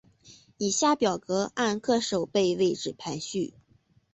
以下表格按各守备位置排序。